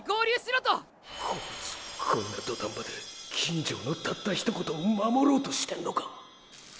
こいつこんな土壇場で金城のたったひと言を守ろうとしてんのか！